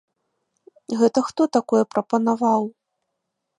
Гэта хто такое прапанаваў?